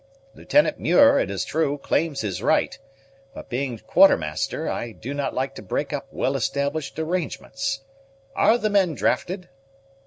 Lieutenant Muir, it is true, claims his right; but, being quartermaster, I do not like to break up well established arrangements. Are the men drafted?"